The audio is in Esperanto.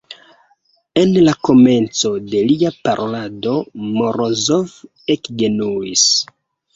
En la komenco de lia parolado Morozov ekgenuis.